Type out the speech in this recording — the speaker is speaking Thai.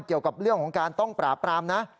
เกี่ยวกับเรื่องของการต้องปราบปรามนะ